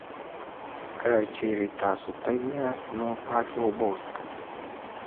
که چېرې تاسو تږی یاست، نو پاکې اوبه وڅښئ.